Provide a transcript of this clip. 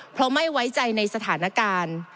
เพราะไม่ไว้ใจในสถานการณ์